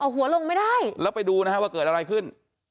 หัวลงไม่ได้แล้วไปดูนะฮะว่าเกิดอะไรขึ้น